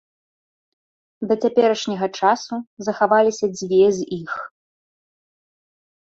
Да цяперашняга часу захаваліся дзве з іх.